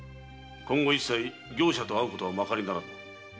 今後一切業者と会うことはまかりならぬ。